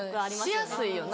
しやすいよな。